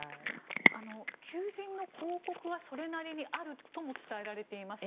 求人の広告はそれなりにあるとも伝えられています。